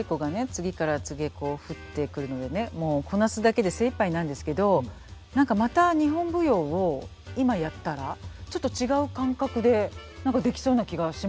次から次へこう降ってくるのでねもうこなすだけで精いっぱいなんですけど何かまた日本舞踊を今やったらちょっと違う感覚でできそうな気がしますね。